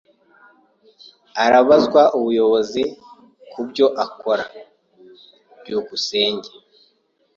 Arabazwa ubuyobozi kubyo akora. byukusenge